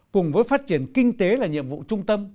cùng với phát triển kinh tế là nhiệm vụ trung tâm